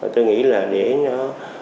tôi nghĩ là để nó